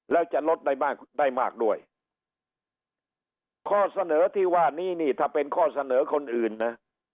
แล้วจะลดได้มากได้มากด้วยข้อเสนอที่ว่านี้นี่ถ้าเป็นข้อเสนอคนอื่นนะ